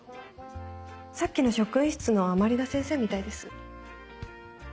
さっきの職員室の甘利田先生みたいです。